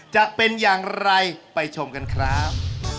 จะเป็นอย่างไรไปชมกันครับ